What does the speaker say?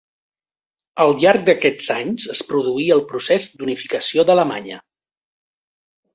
Al llarg d'aquests anys es produí el procés d'unificació d'Alemanya.